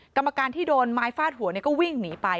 กรรมการที่โดนไม้ฟาดหัวก็วิ่งหนีไป